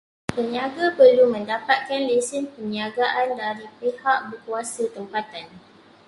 Peniaga perlu mendapatkan lesen peniagaan daripada pihak berkuasa tempatan.